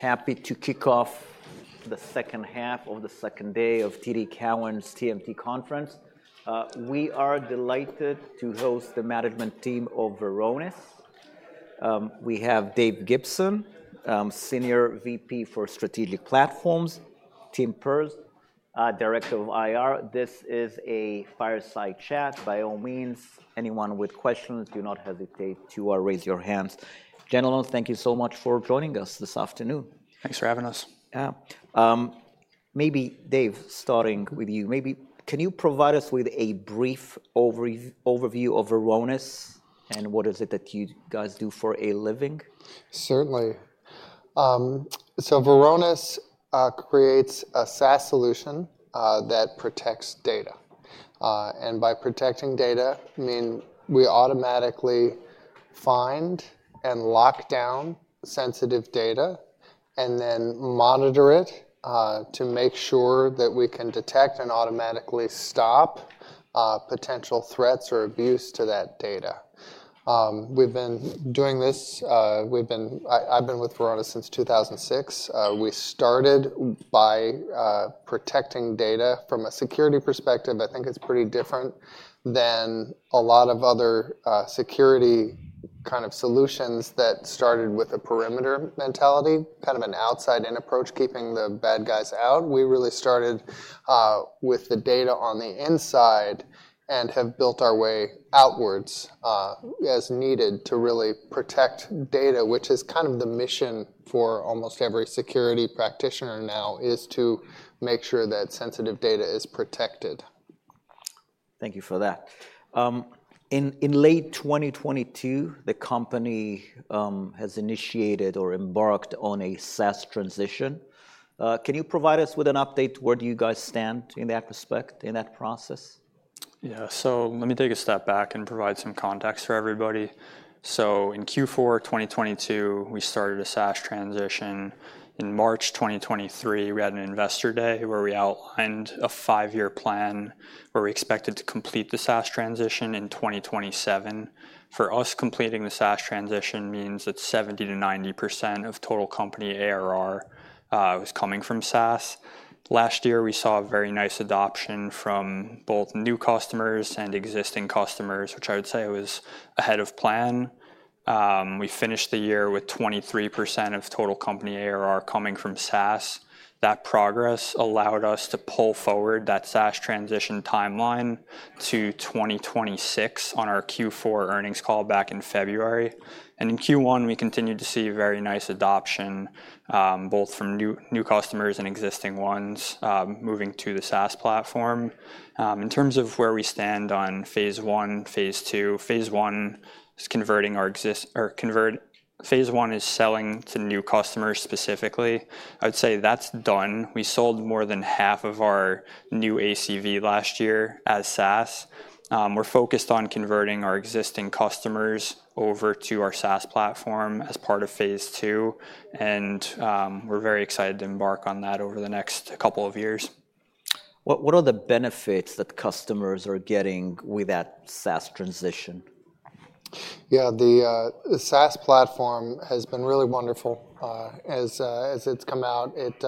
Happy to kick off the second half of the second day of TD Cowen's TMT Conference. We are delighted to host the management team of Varonis. We have Dave Gibson, Senior VP for Strategic Platforms, Tim Perz, Director of IR. This is a fireside chat. By all means, anyone with questions, do not hesitate to raise your hands. Gentlemen, thank you so much for joining us this afternoon. Thanks for having us. Yeah. Maybe Dave, starting with you, maybe can you provide us with a brief overview of Varonis, and what is it that you guys do for a living? Certainly. Varonis creates a SaaS solution that protects data. By protecting data, I mean, we automatically find and lock down sensitive data and then monitor it to make sure that we can detect and automatically stop potential threats or abuse to that data. We've been doing this. I've been with Varonis since 2006. We started by protecting data from a security perspective. I think it's pretty different than a lot of other security kind of solutions that started with a perimeter mentality, kind of an outside-in approach, keeping the bad guys out. We really started with the data on the inside and have built our way outwards, as needed to really protect data, which is kind of the mission for almost every security practitioner now, is to make sure that sensitive data is protected. Thank you for that. In late 2022, the company has initiated or embarked on a SaaS transition. Can you provide us with an update? Where do you guys stand in that respect, in that process? Yeah. So let me take a step back and provide some context for everybody. So in Q4 2022, we started a SaaS transition. In March 2023, we had an investor day, where we outlined a 5-year plan, where we expected to complete the SaaS transition in 2027. For us, completing the SaaS transition means that 70%-90% of total company ARR was coming from SaaS. Last year, we saw a very nice adoption from both new customers and existing customers, which I would say was ahead of plan. We finished the year with 23% of total company ARR coming from SaaS. That progress allowed us to pull forward that SaaS transition timeline to 2026 on our Q4 earnings call back in February. In Q1, we continued to see very nice adoption, both from new, new customers and existing ones, moving to the SaaS platform. In terms of where we stand on phase one, phase two, phase one is selling to new customers specifically. I'd say that's done. We sold more than half of our new ACV last year as SaaS. We're focused on converting our existing customers over to our SaaS platform as part of phase two, and we're very excited to embark on that over the next couple of years. What are the benefits that customers are getting with that SaaS transition? Yeah, the SaaS platform has been really wonderful, as it's come out. It.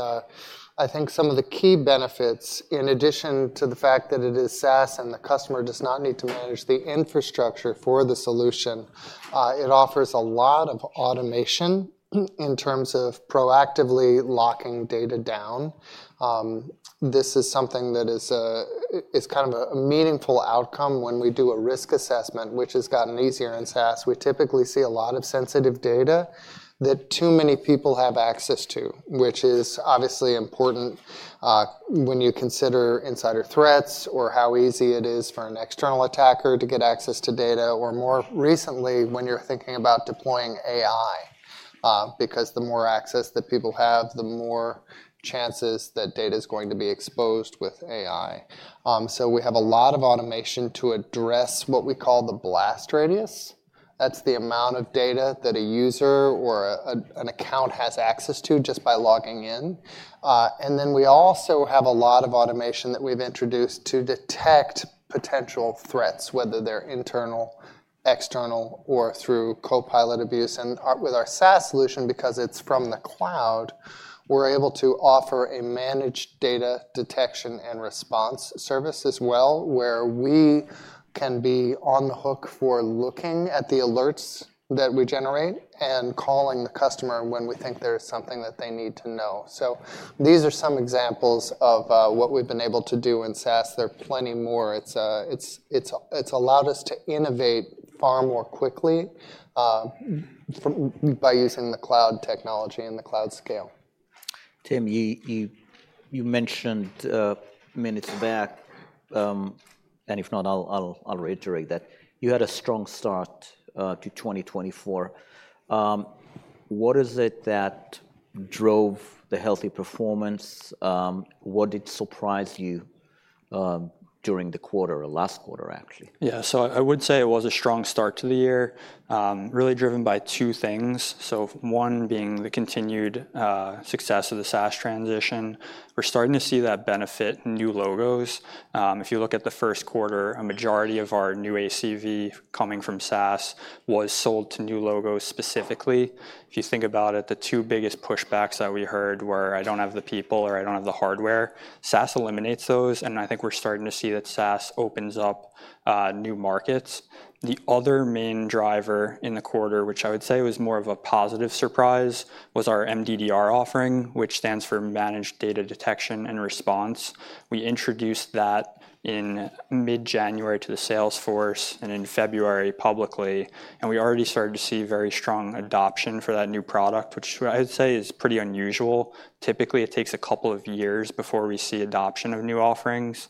I think some of the key benefits, in addition to the fact that it is SaaS and the customer does not need to manage the infrastructure for the solution, it offers a lot of automation in terms of proactively locking data down. This is something that is, it's kind of a meaningful outcome when we do a risk assessment, which has gotten easier in SaaS. We typically see a lot of sensitive data that too many people have access to, which is obviously important when you consider insider threats or how easy it is for an external attacker to get access to data, or more recently, when you're thinking about deploying AI, because the more access that people have, the more chances that data is going to be exposed with AI. So we have a lot of automation to address what we call the blast radius. That's the amount of data that a user or an account has access to just by logging in. And then we also have a lot of automation that we've introduced to detect potential threats, whether they're internal, external, or through Copilot abuse. And with our SaaS solution, because it's from the cloud, we're able to offer a managed data detection and response service as well, where we can be on the hook for looking at the alerts that we generate and calling the customer when we think there is something that they need to know. So these are some examples of what we've been able to do in SaaS. There are plenty more. It's allowed us to innovate far more quickly by using the cloud technology and the cloud scale. Tim, you mentioned minutes back, and if not, I'll reiterate that you had a strong start to 2024. What is it that drove the healthy performance? What did surprise you during the quarter or last quarter, actually? Yeah, so I would say it was a strong start to the year, really driven by two things. So one being the continued success of the SaaS transition. We're starting to see that benefit new logos. If you look at the first quarter, a majority of our new ACV coming from SaaS was sold to new logos specifically. If you think about it, the two biggest pushbacks that we heard were, "I don't have the people," or, "I don't have the hardware." SaaS eliminates those, and I think we're starting to see that SaaS opens up new markets. The other main driver in the quarter, which I would say was more of a positive surprise, was our MDDR offering, which stands for Managed Data Detection and Response. We introduced that in mid-January to the sales force and in February publicly, and we already started to see very strong adoption for that new product, which I would say is pretty unusual. Typically, it takes a couple of years before we see adoption of new offerings.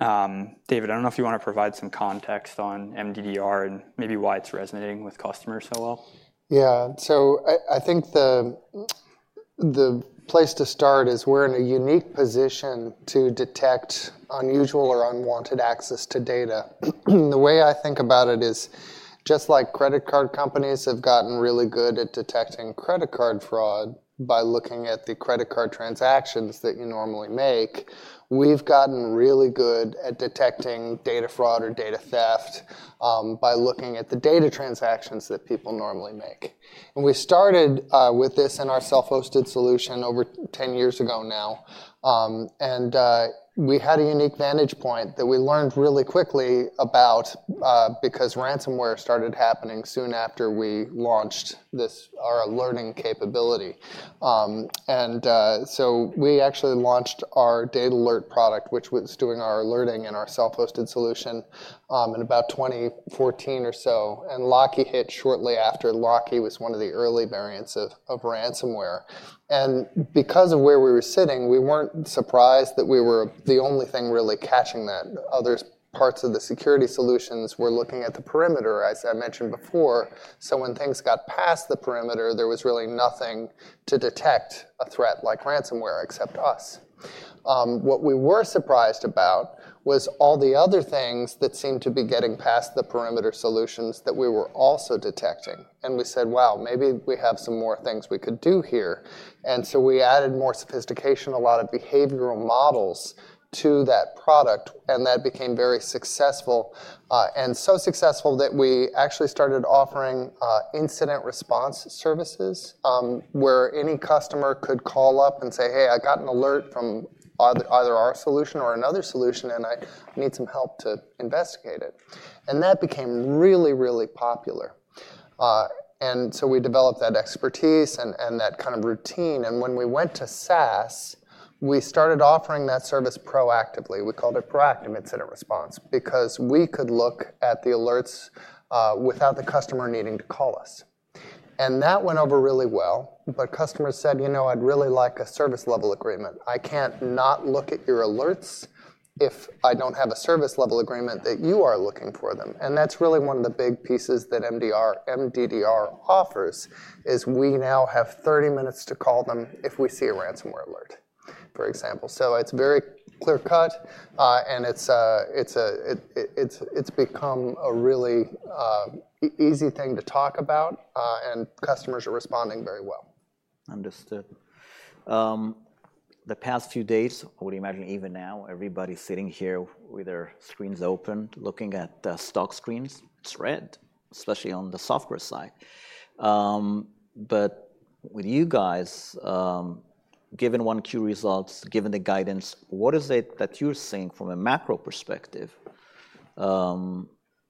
David, I don't know if you want to provide some context on MDDR and maybe why it's resonating with customers so well. Yeah. So I think the place to start is we're in a unique position to detect unusual or unwanted access to data. The way I think about it is, just like credit card companies have gotten really good at detecting credit card fraud by looking at the credit card transactions that you normally make, we've gotten really good at detecting data fraud or data theft by looking at the data transactions that people normally make. And we started with this in our self-hosted solution over 10 years ago now. And we had a unique vantage point that we learned really quickly about because ransomware started happening soon after we launched this, our alerting capability. So we actually launched our DatAlert product, which was doing our alerting and our self-hosted solution, in about 2014 or so, and Locky hit shortly after. Locky was one of the early variants of ransomware. Because of where we were sitting, we weren't surprised that we were the only thing really catching that. Other parts of the security solutions were looking at the perimeter, as I mentioned before, so when things got past the perimeter, there was really nothing to detect a threat like ransomware, except us. What we were surprised about was all the other things that seemed to be getting past the perimeter solutions that we were also detecting, and we said: Wow, maybe we have some more things we could do here. So we added more sophistication, a lot of behavioral models to that product, and that became very successful. So successful that we actually started offering incident response services, where any customer could call up and say, "Hey, I got an alert from either our solution or another solution, and I need some help to investigate it." That became really, really popular. So we developed that expertise and that kind of routine, and when we went to SaaS, we started offering that service proactively. We called it proactive incident response because we could look at the alerts without the customer needing to call us. That went over really well, but customers said, "You know, I'd really like a service level agreement. I can't not look at your alerts if I don't have a service level agreement that you are looking for them." And that's really one of the big pieces that MDDR offers, is we now have 30 minutes to call them if we see a ransomware alert, for example. So it's very clear-cut, and it's become a really easy thing to talk about, and customers are responding very well. Understood. The past few days, I would imagine even now, everybody's sitting here with their screens open, looking at the stock screens. It's red, especially on the software side. But with you guys, given 1Q results, given the guidance, what is it that you're seeing from a macro perspective,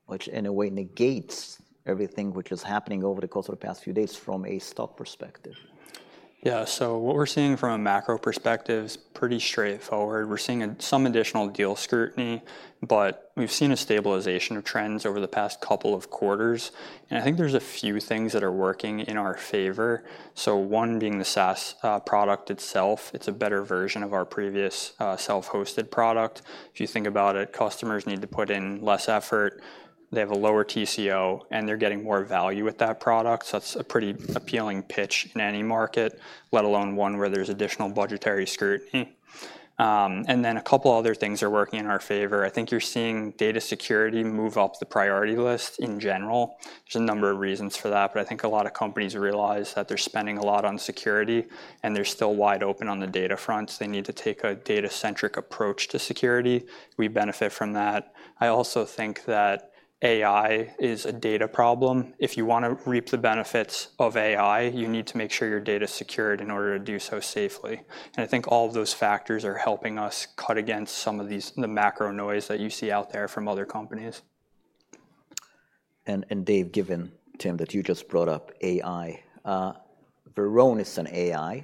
which in a way negates everything which is happening over the course of the past few days from a stock perspective? Yeah, so what we're seeing from a macro perspective is pretty straightforward. We're seeing some additional deal scrutiny, but we've seen a stabilization of trends over the past couple of quarters, and I think there's a few things that are working in our favor. So one being the SaaS product itself. It's a better version of our previous self-hosted product. If you think about it, customers need to put in less effort, they have a lower TCO, and they're getting more value with that product, so that's a pretty appealing pitch in any market, let alone one where there's additional budgetary scrutiny. And then a couple other things are working in our favor. I think you're seeing data security move up the priority list in general. There's a number of reasons for that, but I think a lot of companies realize that they're spending a lot on security, and they're still wide open on the data front, so they need to take a data-centric approach to security. We benefit from that. I also think that AI is a data problem. If you want to reap the benefits of AI, you need to make sure your data is secured in order to do so safely. And I think all of those factors are helping us cut against some of these, the macro noise that you see out there from other companies. Dave, given that Tim just brought up AI, Varonis and AI,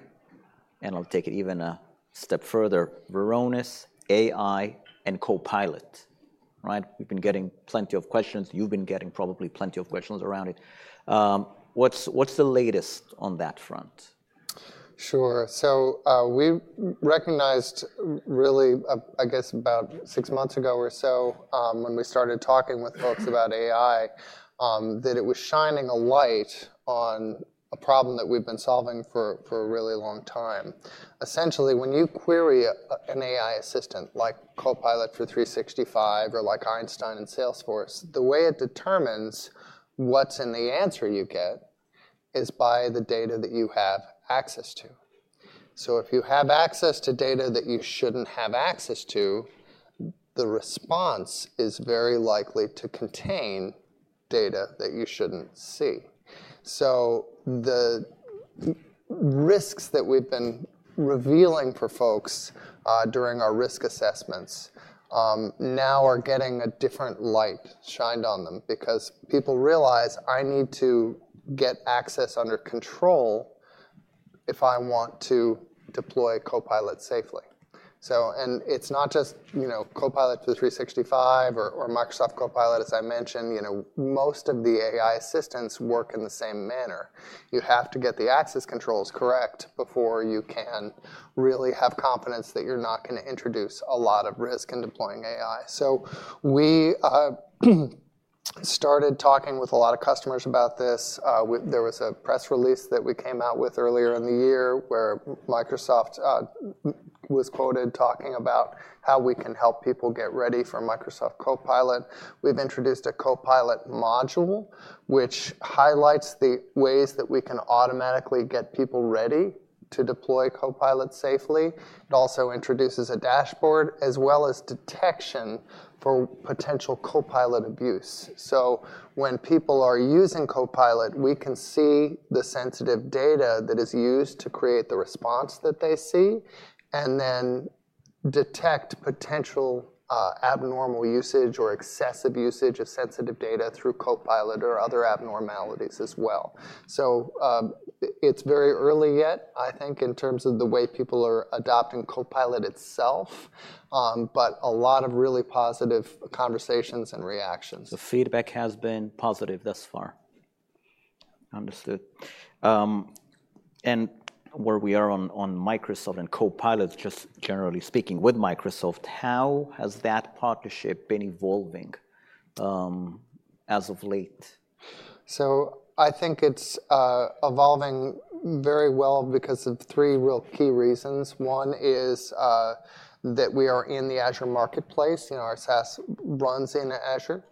and I'll take it even a step further, Varonis, AI, and Copilot, right? We've been getting plenty of questions. You've been getting probably plenty of questions around it. What's the latest on that front? Sure. So, we recognized really, I guess about six months ago or so, when we started talking with folks about AI, that it was shining a light on a problem that we've been solving for a really long time. Essentially, when you query an AI assistant, like Copilot for 365 or like Einstein in Salesforce, the way it determines what's in the answer you get is by the data that you have access to. So if you have access to data that you shouldn't have access to, the response is very likely to contain data that you shouldn't see. So the risks that we've been revealing for folks during our risk assessments now are getting a different light shined on them because people realize, "I need to get access under control if I want to deploy Copilot safely." So, and it's not just, you know, Copilot for 365 or, or Microsoft Copilot, as I mentioned. You know, most of the AI assistants work in the same manner. You have to get the access controls correct before you can really have confidence that you're not gonna introduce a lot of risk in deploying AI. So we started talking with a lot of customers about this. There was a press release that we came out with earlier in the year, where Microsoft was quoted talking about how we can help people get ready for Microsoft Copilot. We've introduced a Copilot module, which highlights the ways that we can automatically get people ready to deploy Copilot safely. It also introduces a dashboard, as well as detection for potential Copilot abuse. So when people are using Copilot, we can see the sensitive data that is used to create the response that they see, and then detect potential abnormal usage or excessive usage of sensitive data through Copilot or other abnormalities as well. So, it's very early yet, I think, in terms of the way people are adopting Copilot itself, but a lot of really positive conversations and reactions. The feedback has been positive thus far? Understood. And where we are on Microsoft and Copilot, just generally speaking with Microsoft, how has that partnership been evolving, as of late? So I think it's evolving very well because of three real key reasons. One is that we are in the Azure marketplace. You know, our SaaS runs into Azure.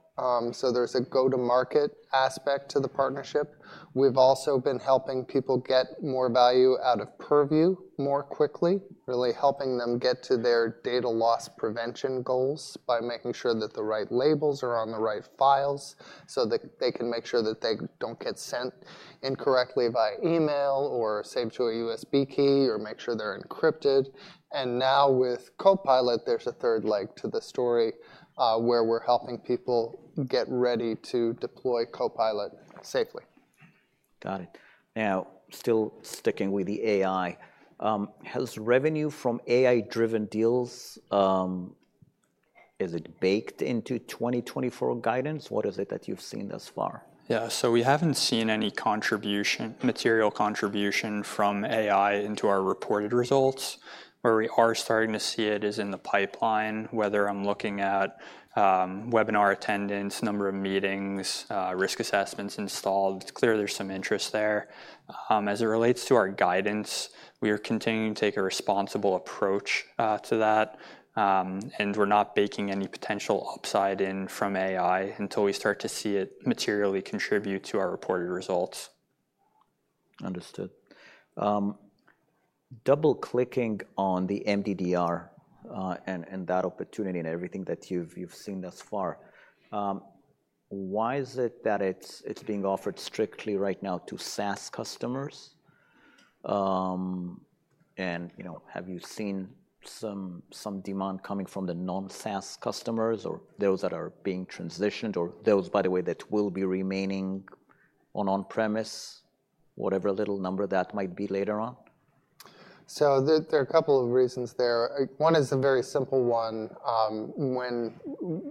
So there's a go-to-market aspect to the partnership. We've also been helping people get more value out of Purview more quickly, really helping them get to their data loss prevention goals by making sure that the right labels are on the right files, so that they can make sure that they don't get sent incorrectly via email or saved to a USB key or make sure they're encrypted. And now with Copilot, there's a third leg to the story, where we're helping people get ready to deploy Copilot safely. Got it. Now, still sticking with the AI, has revenue from AI-driven deals, is it baked into 2024 guidance? What is it that you've seen thus far? Yeah, so we haven't seen any contribution, material contribution from AI into our reported results. Where we are starting to see it is in the pipeline, whether I'm looking at webinar attendance, number of meetings, risk assessments installed. It's clear there's some interest there. As it relates to our guidance, we are continuing to take a responsible approach to that. And we're not baking any potential upside in from AI until we start to see it materially contribute to our reported results. Understood. Double-clicking on the MDDR, and that opportunity and everything that you've seen thus far, why is it that it's being offered strictly right now to SaaS customers? And, you know, have you seen some demand coming from the non-SaaS customers or those that are being transitioned, or those, by the way, that will be remaining on on-premise, whatever little number that might be later on? So there are a couple of reasons there. One is a very simple one. When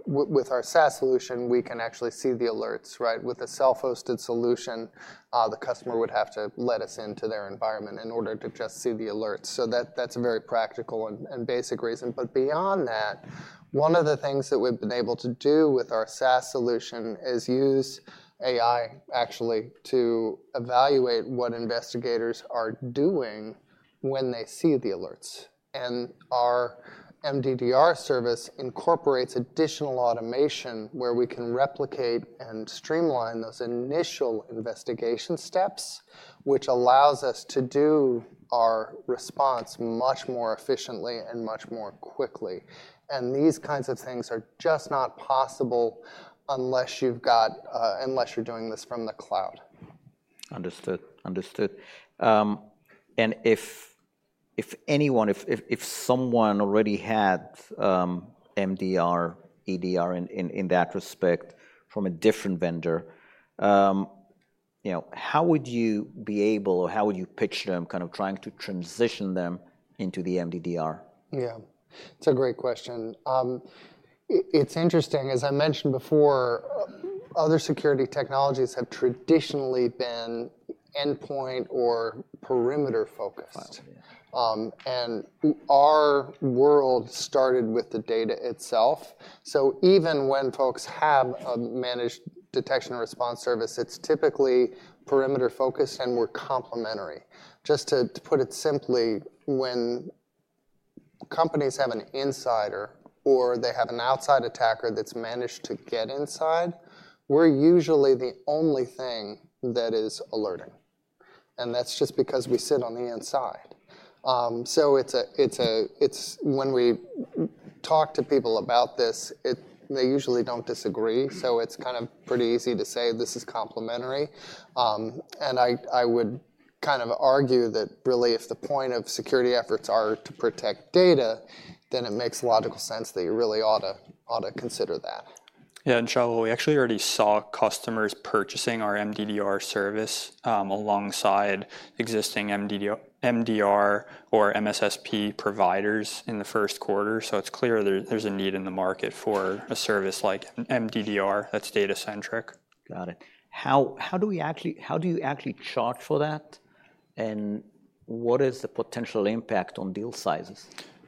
with our SaaS solution, we can actually see the alerts, right? With a self-hosted solution, the customer would have to let us into their environment in order to just see the alerts. So that's a very practical and basic reason. But beyond that, one of the things that we've been able to do with our SaaS solution is use AI, actually, to evaluate what investigators are doing when they see the alerts. And our MDDR service incorporates additional automation where we can replicate and streamline those initial investigation steps, which allows us to do our response much more efficiently and much more quickly. And these kinds of things are just not possible unless you're doing this from the cloud. Understood. Understood. And if anyone, if someone already had MDR, EDR in that respect from a different vendor, you know, how would you be able, or how would you pitch them, kind of trying to transition them into the MDDR? Yeah, it's a great question. It's interesting, as I mentioned before, other security technologies have traditionally been endpoint or perimeter-focused. Wow, yeah. And our world started with the data itself. So even when folks have a managed detection and response service, it's typically perimeter-focused, and we're complementary. Just to put it simply, when companies have an insider or they have an outside attacker that's managed to get inside, we're usually the only thing that is alerting, and that's just because we sit on the inside. So it's when we talk to people about this, they usually don't disagree, so it's kind of pretty easy to say this is complementary. And I would kind of argue that really, if the point of security efforts are to protect data, then it makes logical sense that you really ought to consider that. Yeah, and Shaul, we actually already saw customers purchasing our MDDR service alongside existing MDDR or MSSP providers in the first quarter. So it's clear there, there's a need in the market for a service like MDDR that's data-centric. Got it. How do you actually charge for that? And what is the potential impact on deal sizes?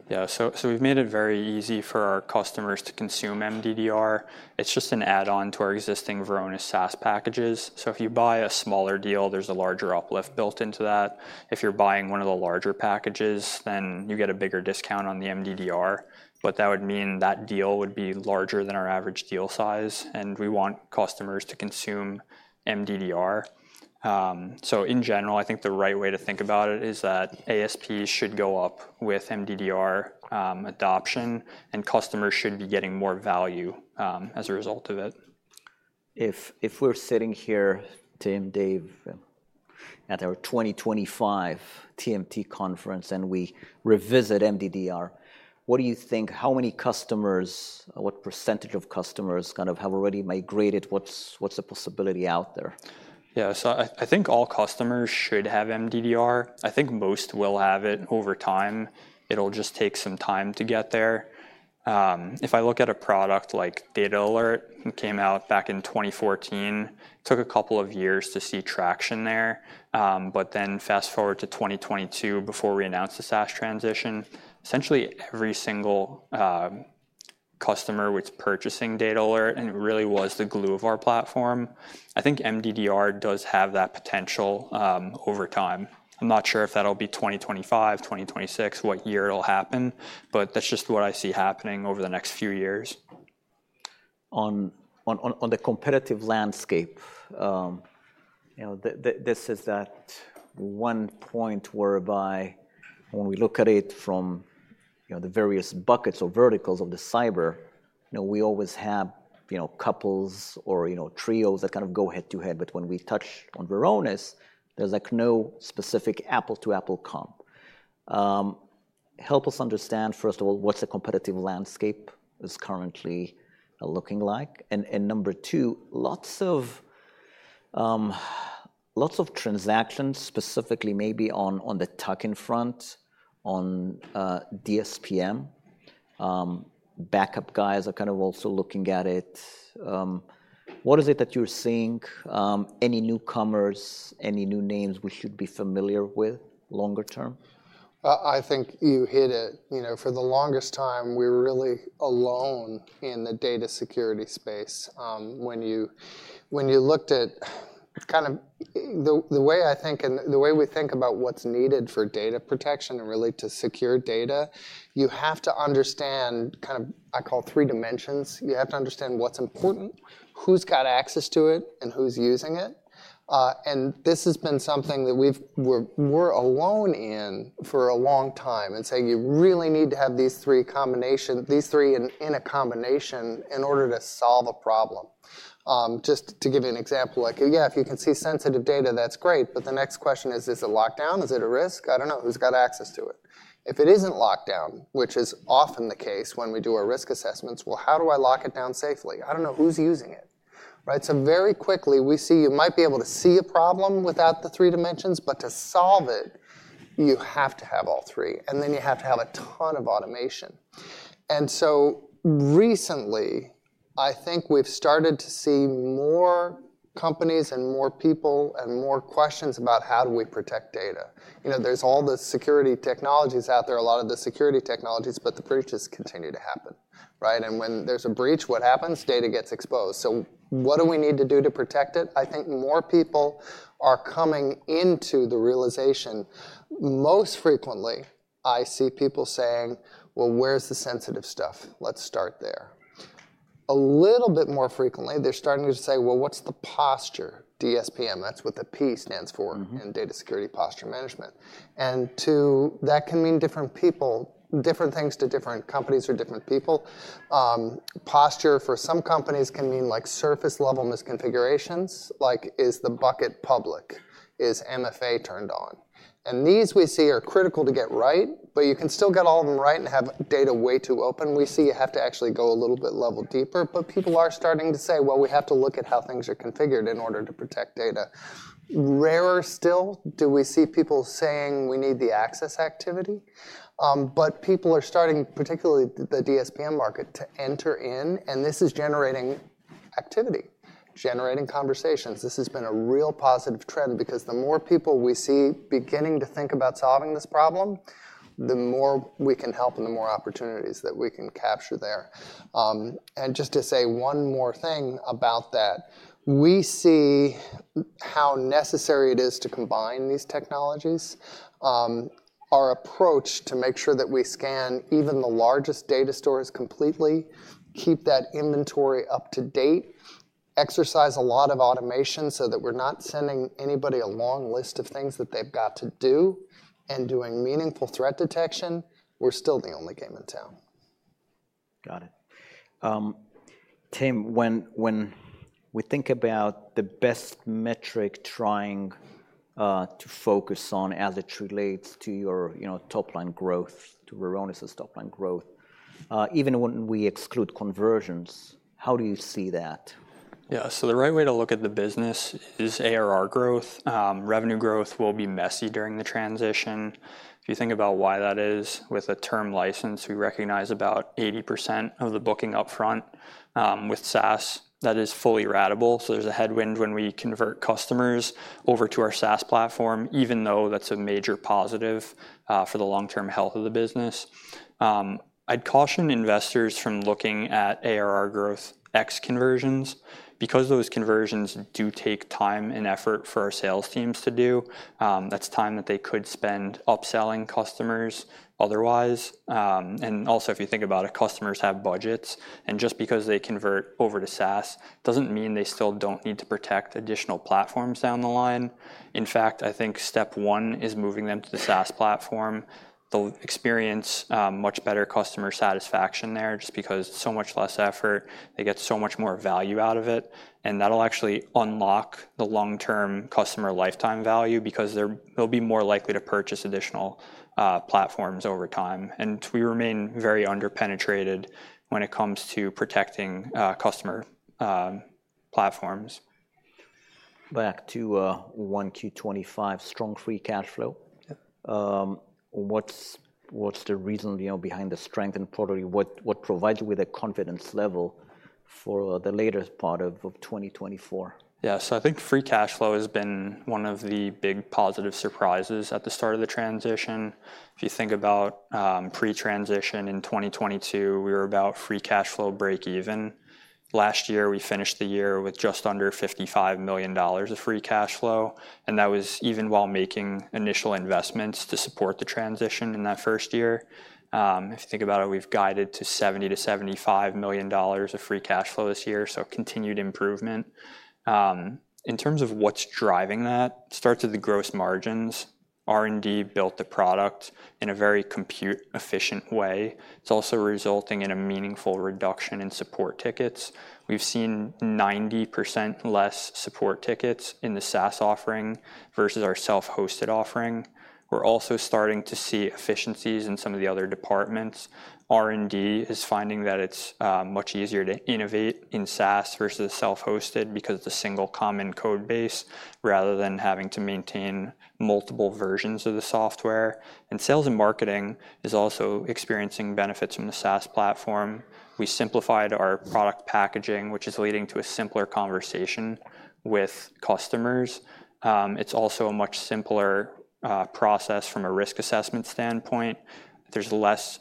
Yeah, so we've made it very easy for our customers to consume MDDR. It's just an add-on to our existing Varonis SaaS packages. So if you buy a smaller deal, there's a larger uplift built into that. If you're buying one of the larger packages, then you get a bigger discount on the MDDR, but that would mean that deal would be larger than our average deal size, and we want customers to consume MDDR. So in general, I think the right way to think about it is that ASP should go up with MDDR adoption, and customers should be getting more value as a result of it. If we're sitting here, Tim, Dave, at our 2025 TMT conference, and we revisit MDDR, what do you think? How many customers, what percentage of customers kind of have already migrated? What's the possibility out there? Yeah, so I think all customers should have MDDR. I think most will have it over time. It'll just take some time to get there. If I look at a product like DatAlert, it came out back in 2014, took a couple of years to see traction there. But then fast-forward to 2022, before we announced the SaaS transition, essentially, every single customer was purchasing DatAlert, and it really was the glue of our platform. I think MDDR does have that potential over time. I'm not sure if that'll be 2025, 2026, what year it'll happen, but that's just what I see happening over the next few years. On the competitive landscape, you know, this is at one point whereby when we look at it from, you know, the various buckets or verticals of the cyber, you know, we always have, you know, couples or, you know, trios that kind of go head-to-head. But when we touch on Varonis, there's, like, no specific apple-to-apple comp. Help us understand, first of all, what's the competitive landscape is currently looking like? And number two, lots of transactions, specifically maybe on the tuck-in front, on DSPM. Backup guys are kind of also looking at it. What is it that you're seeing, any newcomers, any new names we should be familiar with longer term? I think you hit it. You know, for the longest time, we were really alone in the data security space. When you looked at kind of the way I think and the way we think about what's needed for data protection and really to secure data, you have to understand kind of, I call three dimensions. You have to understand what's important, who's got access to it, and who's using it. And this has been something that we're alone in for a long time. And so you really need to have these three in a combination in order to solve a problem. Just to give you an example, like, yeah, if you can see sensitive data, that's great, but the next question is: Is it locked down? Is it at risk? I don't know. Who's got access to it? If it isn't locked down, which is often the case when we do our risk assessments, well, how do I lock it down safely? I don't know who's using it, right? So very quickly, we see you might be able to see a problem without the three dimensions, but to solve it, you have to have all three, and then you have to have a ton of automation. And so recently, I think we've started to see more companies and more people and more questions about: How do we protect data? You know, there's all the security technologies out there, a lot of the security technologies, but the breaches continue to happen, right? And when there's a breach, what happens? Data gets exposed. So what do we need to do to protect it? I think more people are coming into the realization. Most frequently, I see people saying: "Well, where's the sensitive stuff? Let's start there." A little bit more frequently, they're starting to say: "Well, what's the posture?" DSPM, that's what the P stands for- Mm-hmm In data security posture management. That can mean different people, different things to different companies or different people. Posture for some companies can mean like surface-level misconfigurations. Like, is the bucket public? Is MFA turned on? And these we see are critical to get right, but you can still get all of them right and have data way too open. We see you have to actually go a little bit level deeper, but people are starting to say, "Well, we have to look at how things are configured in order to protect data." Rarer still, do we see people saying we need the access activity? But people are starting, particularly the DSPM market, to enter in, and this is generating activity, generating conversations. This has been a real positive trend, because the more people we see beginning to think about solving this problem, the more we can help and the more opportunities that we can capture there. And just to say one more thing about that, we see how necessary it is to combine these technologies. Our approach to make sure that we scan even the largest data stores completely, keep that inventory up to date, exercise a lot of automation so that we're not sending anybody a long list of things that they've got to do, and doing meaningful threat detection, we're still the only game in town. Got it. Tim, when we think about the best metric trying to focus on as it relates to your, you know, top line growth, to Varonis's top line growth, even when we exclude conversions, how do you see that? Yeah, so the right way to look at the business is ARR growth. Revenue growth will be messy during the transition. If you think about why that is, with a term license, we recognize about 80% of the booking upfront. With SaaS, that is fully ratable, so there's a headwind when we convert customers over to our SaaS platform, even though that's a major positive for the long-term health of the business. I'd caution investors from looking at ARR growth ex conversions, because those conversions do take time and effort for our sales teams to do. That's time that they could spend upselling customers otherwise. And also, if you think about it, customers have budgets, and just because they convert over to SaaS doesn't mean they still don't need to protect additional platforms down the line. In fact, I think step one is moving them to the SaaS platform. They'll experience much better customer satisfaction there, just because it's so much less effort, they get so much more value out of it, and that'll actually unlock the long-term customer lifetime value because they'll be more likely to purchase additional platforms over time. We remain very under-penetrated when it comes to protecting customer platforms. Back to 1Q 2025, strong free cash flow. Yeah. What's the reason, you know, behind the strength and probably what provides you with a confidence level for the later part of 2024? Yeah, so I think free cash flow has been one of the big positive surprises at the start of the transition. If you think about, pre-transition in 2022, we were about free cash flow breakeven. Last year, we finished the year with just under $55 million of free cash flow, and that was even while making initial investments to support the transition in that first year. If you think about it, we've guided to $70 million-$75 million of free cash flow this year, so continued improvement. In terms of what's driving that, it starts with the gross margins. R&D built the product in a very compute-efficient way. It's also resulting in a meaningful reduction in support tickets. We've seen 90% less support tickets in the SaaS offering versus our self-hosted offering. We're also starting to see efficiencies in some of the other departments. R&D is finding that it's much easier to innovate in SaaS versus self-hosted because it's a single common code base, rather than having to maintain multiple versions of the software. And sales and marketing is also experiencing benefits from the SaaS platform. We simplified our product packaging, which is leading to a simpler conversation with customers. It's also a much simpler process from a risk assessment standpoint. There's less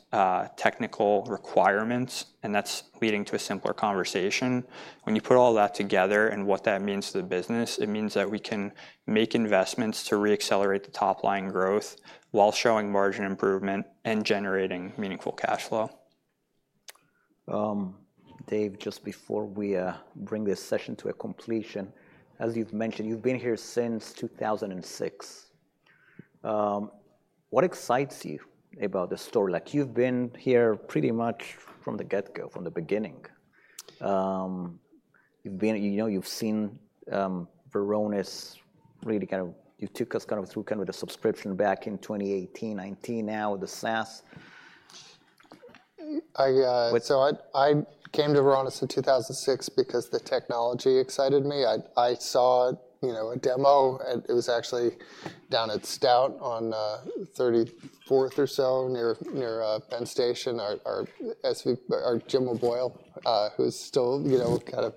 technical requirements, and that's leading to a simpler conversation. When you put all that together and what that means to the business, it means that we can make investments to re-accelerate the top-line growth while showing margin improvement and generating meaningful cash flow. Dave, just before we bring this session to a completion, as you've mentioned, you've been here since 2006. What excites you about the story? Like, you've been here pretty much from the get-go, from the beginning. You've been You know, you've seen, Varonis really kind of you took us kind of through kind of the subscription back in 2018, 2019, now the SaaS. I, uh- With- So I came to Varonis in 2006 because the technology excited me. I saw, you know, a demo, and it was actually down at Stout on 34th or so, near Penn Station. Our Jim O'Boyle, who's still, you know, kind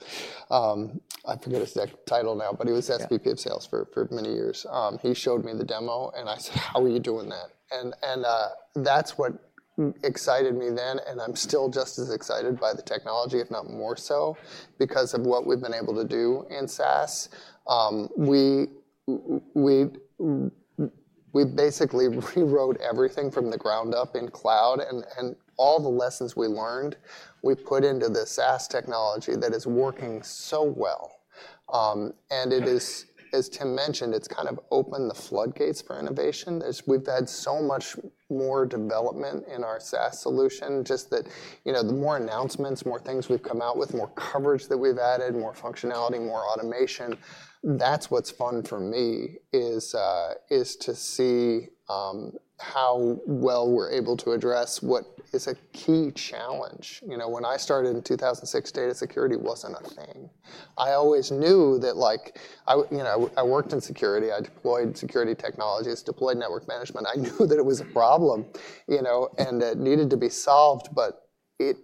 of, I forget his tech title now, but he was SVP- Yeah Of Sales for many years. He showed me the demo, and I said: "How are you doing that?" And that's what excited me then, and I'm still just as excited by the technology, if not more so, because of what we've been able to do in SaaS. We basically rewrote everything from the ground up in cloud, and all the lessons we learned, we've put into the SaaS technology that is working so well. And it is, as Tim mentioned, it's kind of opened the floodgates for innovation, as we've had so much more development in our SaaS solution, just that, you know, the more announcements, more things we've come out with, more coverage that we've added, more functionality, more automation. That's what's fun for me, is to see how well we're able to address what is a key challenge. You know, when I started in 2006, data security wasn't a thing. I always knew that, like, you know, I worked in security, I deployed security technologies, deployed network management. I knew that it was a problem, you know, and it needed to be solved, but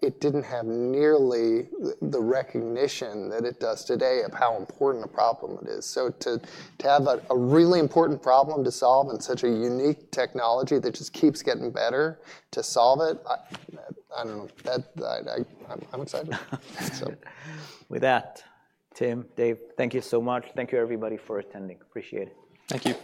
it didn't have nearly the recognition that it does today of how important a problem it is. So to have a really important problem to solve and such a unique technology that just keeps getting better to solve it, I don't know, that, I, I'm excited. So with that, Tim, Dave, thank you so much. Thank you, everybody, for attending. Appreciate it. Thank you.